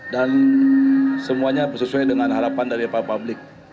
dan semuanya sesuai dengan harapan dari pak publik